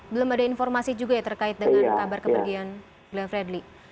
belum ada informasi juga ya terkait dengan kabar kepergian glenn fredly